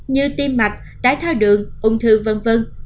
như tim mạch đái thao đường ung thư v v